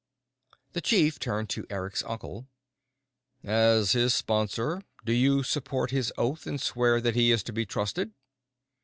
The Chief turned to Eric's uncle. "As his sponsor, do you support his oath and swear that he is to be trusted?"